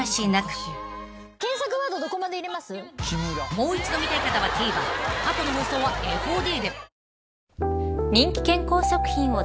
［もう一度見たい方はＴＶｅｒ過去の放送はＦＯＤで］